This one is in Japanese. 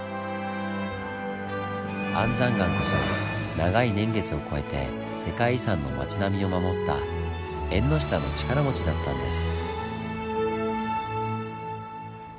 安山岩こそ長い年月をこえて世界遺産の町並みを守った縁の下の力持ちだったんです。